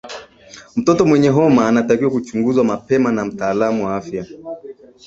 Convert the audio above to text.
mtoto mwenye homa anatakiwa kuchunguzwa mapema na mtaalamu wa afya